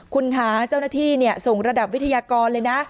คุณคะเจ้าหน้าที่ส่งระดับวิทยากรเลยนะ